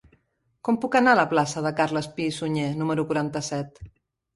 Com puc anar a la plaça de Carles Pi i Sunyer número quaranta-set?